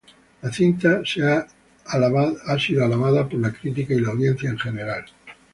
La cinta ha sido alabada por la crítica y la audiencia en general.